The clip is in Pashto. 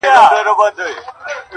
والله ه چي په تا پسي مي سترگي وځي.